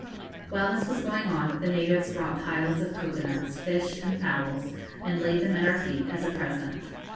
While this was going on, the natives brought piles of cocoa nuts, fish, and fowls, and laid them at our feet as a present.